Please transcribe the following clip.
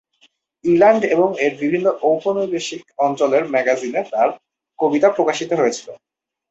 England এবং এর বিভিন্ন ঔপনিবেশিক অঞ্চলের ম্যাগাজিনে তার কবিতা প্রকাশিত হয়েছিল।